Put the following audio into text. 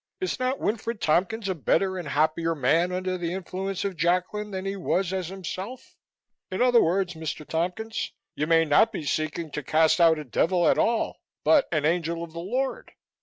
Is not Winfred Tompkins a better and happier man under the influence of Jacklin than he was as himself? In other words, Mr. Tompkins, you may not be seeking to cast out a devil at all, but an angel of the Lord.